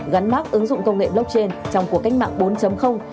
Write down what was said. gắn mát ứng dụng công nghệ blockchain trong cuộc cách mạng bốn